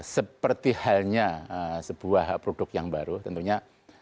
seperti halnya sebuah produk yang baru tentunya